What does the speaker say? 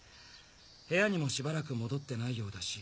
部屋にもしばらく戻ってないようだし。